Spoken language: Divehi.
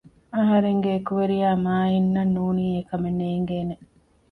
އަހަރެންގެ އެކުވެރިޔާ މާއިން އަށް ނޫނީ އެކަމެއް ނޭނގޭނެ